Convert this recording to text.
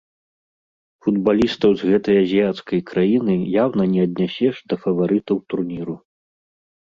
Футбалістаў з гэтай азіяцкай краіны яўна не аднясеш да фаварытаў турніру.